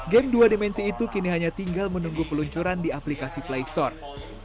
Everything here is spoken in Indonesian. game dua dimensi itu kini hanya tinggal menunggu peluncuran di aplikasi play store